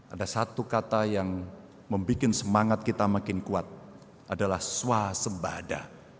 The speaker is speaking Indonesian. ada satu kata yang membuat semangat kita makin kuat adalah swasembada